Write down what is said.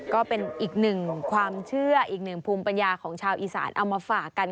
ก็เป็นอีกหนึ่งความเชื่ออีกหนึ่งภูมิปัญญาของชาวอีสานเอามาฝากกัน